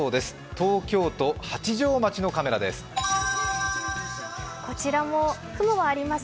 東京都八丈町のカメラです。